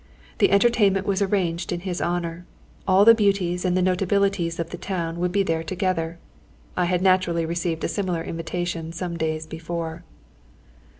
The entertainment was arranged in his honour. All the beauties and the notabilities of the town would be there together. I had naturally received a similar invitation some days before.